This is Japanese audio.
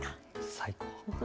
最高。